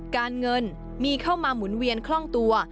การเงินมีเข้ามาหมุนเวียนคล่องตัว